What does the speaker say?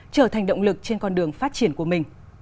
trở thành động lực trên con đường phát triển của mình